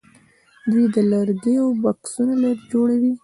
دوی د لرګیو بکسونه جوړوي.